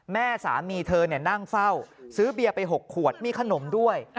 แม่สามีเธอนั่งเฝ้าซื้อเบียร์ไป๖ขวดมีขนมด้วย